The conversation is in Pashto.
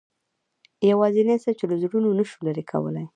یوازینۍ څه چې له زړونو نه شو لرې کولای.